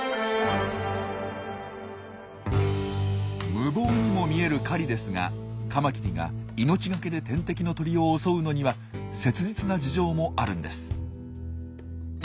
無謀にも見える狩りですがカマキリが命懸けで天敵の鳥を襲うのには切実な事情もあるんです。